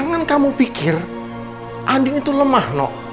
selalu cukup untuk slaf